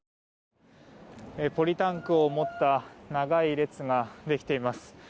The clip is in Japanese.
ポリタンクを持った長い列ができています。